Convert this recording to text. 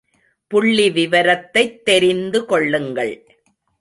புள்ளி விவரத்தைத் தெரிந்து கொள்ளுங்கள்.